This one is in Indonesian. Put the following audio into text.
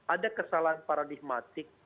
ada kesalahan paradigmatik